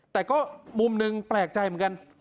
แต่ก็มุมหนึ่งแปลกใจเหมือนกัน